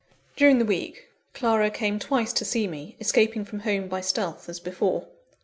During the week, Clara came twice to see me escaping from home by stealth, as before.